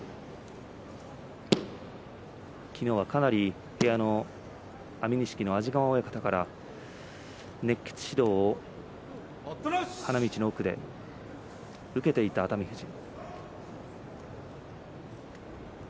昨日はかなり部屋の安美錦の安治川親方から熱血指導を花道の奥で受けていた熱海富士。